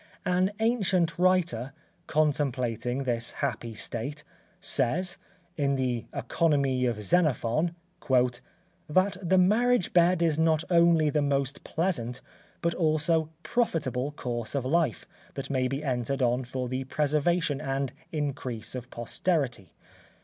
An ancient writer, contemplating this happy state, says, in the economy of Xenophon, "that the marriage bed is not only the most pleasant, but also profitable course of life, that may be entered on for the preservation and increase of posterity.